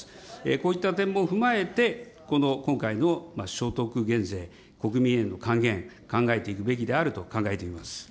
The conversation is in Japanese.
こういった点も踏まえて、今回の所得減税、国民への還元、考えていくべきであると考えています。